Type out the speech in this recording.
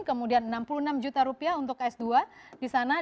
kemudian enam puluh enam juta rupiah untuk s dua di sana